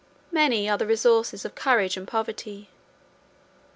Many are the resources of courage and poverty.